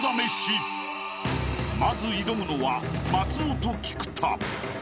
［まず挑むのは松尾と菊田］